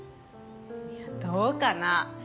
いやどうかな。